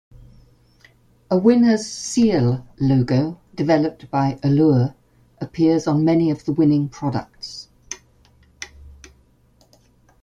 A "winners' seal" logo, developed by "Allure", appears on many of the winning products.